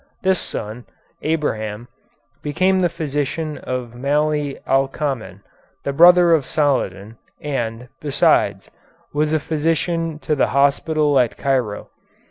This son, Abraham, became the physician of Malie Alkamen, the brother of Saladin, and, besides, was a physician to the hospital at Cairo.